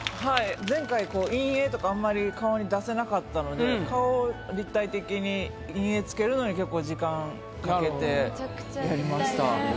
前回陰影とかあんまり顔に出せなかったので顔を立体的に陰影つけるのに結構時間かけてやりました。